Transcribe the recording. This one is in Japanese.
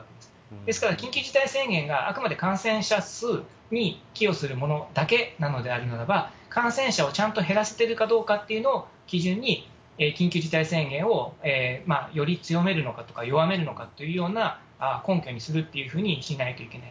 ですから緊急事態宣言が、あくまで感染者数に寄与するものだけなのであるならば、感染者をちゃんと減らしてるかどうかっていうのを基準に緊急事態宣言をより強めるのかとか、弱めるのかというような根拠にするっていうふうにしないといけない。